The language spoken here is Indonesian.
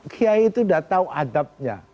kiai itu udah tau adabnya